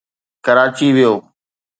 ڪراچي ويو.